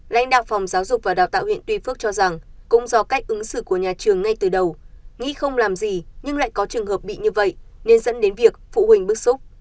lãnh đạo phòng giáo dục và đào tạo huyện tuy phước cho rằng cũng do cách ứng xử của nhà trường ngay từ đầu nghĩ không làm gì nhưng lại có trường hợp bị như vậy nên dẫn đến việc phụ huynh bức xúc